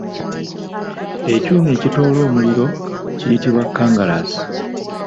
Ekyuma ekitoola omuliro kiyitibwa Kkangalaasi.